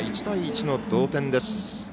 １対１の同点です。